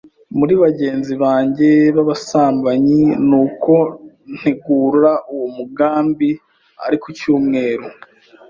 muri bagenzi banjye b’abasambanyi, nuko ntegura uwo mugambi ari ku cyumweru,